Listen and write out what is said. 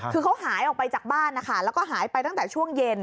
คือเขาหายออกไปจากบ้านนะคะแล้วก็หายไปตั้งแต่ช่วงเย็น